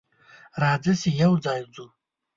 راځه چې یوځای ځو.